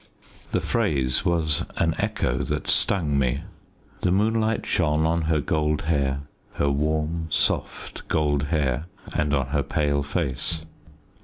The phrase was an echo that stung me. The moonlight shone on her gold hair, her warm, soft, gold hair, and on her pale face.